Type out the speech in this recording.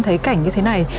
thấy cảnh như thế này